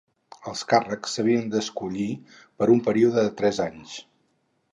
Els càrrecs s’havien d’escollir per un període de tres anys.